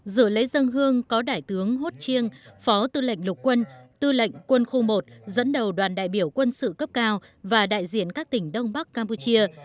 dự lễ dân hương có đại tướng hốt chiêng phó tư lệnh lục quân tư lệnh quân khu một dẫn đầu đoàn đại biểu quân sự cấp cao và đại diện các tỉnh đông bắc campuchia